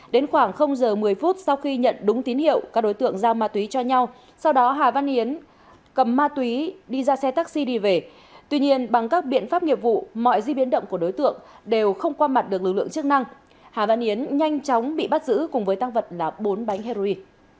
đến khoảng giờ một mươi phút sau khi nhận đúng tín hiệu các đối tượng giao ma túy cho nhau sau đó hà văn yến cầm ma túy đi ra xe taxi đi về tuy nhiên bằng các biện pháp nghiệp vụ mọi di biến động của đối tượng đều không qua mặt được lực lượng chức năng hà văn yến nhanh chóng bị bắt giữ cùng với tăng vật là bốn bánh heroin